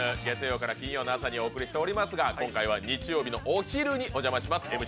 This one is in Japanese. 月曜から金曜の朝にお送りしておりますが今回は日曜日のお昼にお邪魔します